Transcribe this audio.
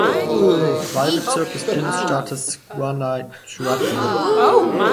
Wahlbezirk des Bundesstaates Guanajuato.